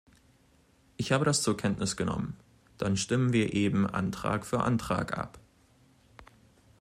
Ich habe das zur Kenntnis genommen, dann stimmen wir eben Antrag für Antrag ab.